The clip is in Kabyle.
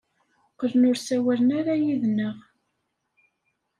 Qqlen ur ssawalen ara yid-neɣ.